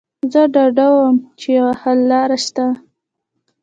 زه ډاډه وم چې یوه حل لاره شته